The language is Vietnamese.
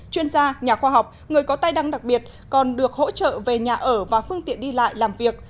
chuyên gia nhà khoa học người có tài năng đặc biệt còn được hỗ trợ về nhà ở và phương tiện đi lại làm việc